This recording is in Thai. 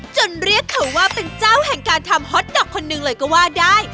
เรียกเขาว่าเป็นเจ้าแห่งการทำฮอตดอกคนหนึ่งเลยก็ว่าได้